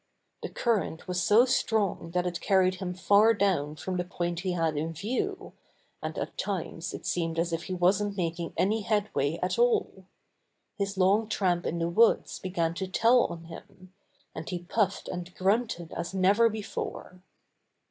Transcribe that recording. The current was so strong that it carried him far down from the point he had in view, and at 130 Buster the Bear times it seemed as if he wasn't making any headway at all. His long tramp in the woods began to tell on him, and he puffed and grunted as never before.